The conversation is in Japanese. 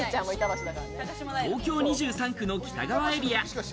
東京２３区の北側エリア。